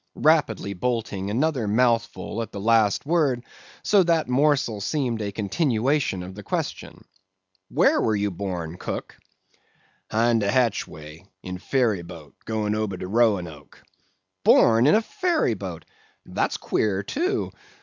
rapidly bolting another mouthful at the last word, so that morsel seemed a continuation of the question. "Where were you born, cook?" "'Hind de hatchway, in ferry boat, goin' ober de Roanoke." "Born in a ferry boat! That's queer, too.